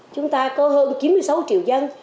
chúng ta có hơn chín mươi sáu triệu dân